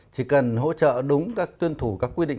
chỉ cần hỗ trợ đúng các tuyên thủ các quy định